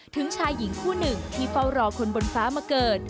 ที่เฝ้ารอคนบนฟ้ามาเกิด